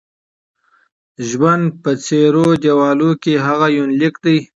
ژوند په څيرو دېوالو کې: هغه یونلیک دی